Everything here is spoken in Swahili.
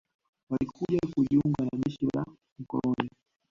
Walikuja kujiunga na jeshi la mkoloni